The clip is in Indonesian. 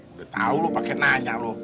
udah tau lo pake nanya lo